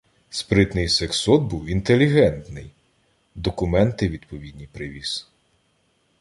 Спритний сексот був інтелігентний, документи відповідні привіз.